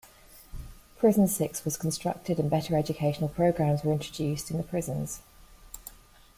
Prison Six was constructed and better educational programs were introduced in the prisons.